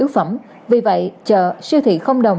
bởi vì sao